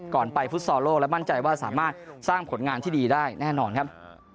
ไปฟุตซอลโลกและมั่นใจว่าสามารถสร้างผลงานที่ดีได้แน่นอนครับ